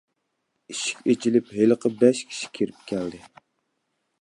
ئىشىك ئېچىلىپ ھېلىقى بەش كىشى كىرىپ كەلدى.